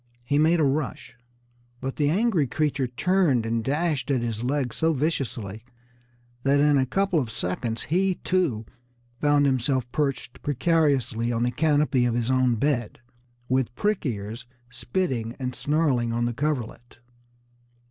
He made a rush, but the angry creature turned and dashed at his legs so viciously that in a couple of seconds he, too, found himself perched precariously on the canopy of his own bed, with "prick ears" spitting and snarling on the coverlet.